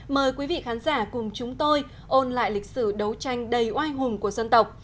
mời quý vị khán giả cùng chúng tôi ôn lại lịch sử đấu tranh đầy oai hùng của dân tộc